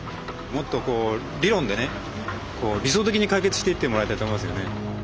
もっとこう理論でね理想的に解決していってもらいたいと思いますよね。